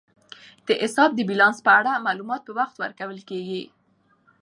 د حساب د بیلانس په اړه معلومات په وخت ورکول کیږي.